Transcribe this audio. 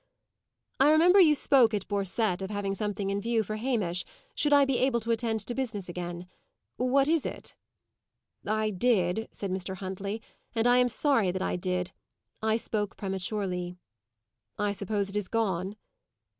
"I remember, you spoke, at Borcette, of having something in view for Hamish, should I be able to attend to business again. What is it?" "I did," said Mr. Huntley; "and I am sorry that I did. I spoke prematurely." "I suppose it is gone?"